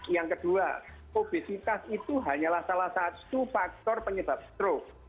yang kedua obesitas itu hanyalah salah satu faktor penyebab stroke